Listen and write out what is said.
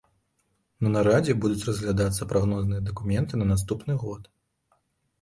На нарадзе будуць разглядацца прагнозныя дакументы на наступны год.